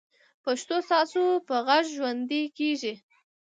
پښتو ستاسو په غږ ژوندۍ کېږي.